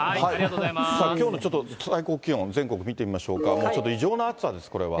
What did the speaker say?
きょうのちょっと最高気温、全国ちょっと見てみましょうか、ちょっと異常な暑さです、これは。